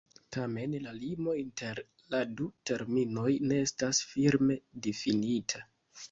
Tamen la limo inter la du terminoj ne estas firme difinita.